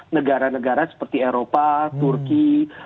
negara negara seperti eropa turki